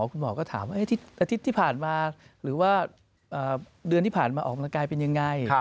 คุณหมอก็ถามว่าอาทิตย์ที่ผ่านมาหรือว่าเดือนที่ผ่านมาออกกำลังกายเป็นยังไง